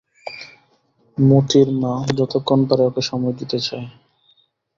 মোতির মা যতক্ষণ পারে ওকে সময় দিতে চায়।